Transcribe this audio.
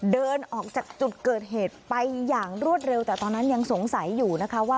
เดินออกจากจุดเกิดเหตุไปอย่างรวดเร็วแต่ตอนนั้นยังสงสัยอยู่นะคะว่า